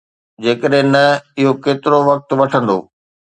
جيڪڏهن نه، اهو ڪيترو وقت وٺندو ؟؟